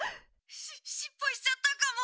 し失敗しちゃったかも！